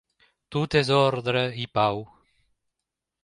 Tot és ordre i pau.